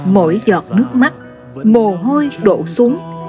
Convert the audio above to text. mỗi giọt nước mắt mồ hôi đổ xuống